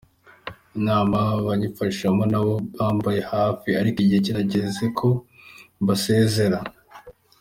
Imana yabimfashijemo nabo bambaye hafi ariko igihe kirageze ko mbasezera”.